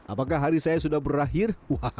apakah hari saya sudah berakhir